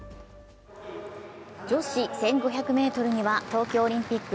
女子１５００ｍには東京オリンピック